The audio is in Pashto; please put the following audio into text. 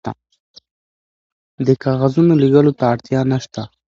د کاغذونو لیږلو ته اړتیا نشته.